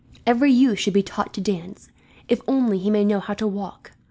Every youth should be taught to dance, if only he may know how to walk.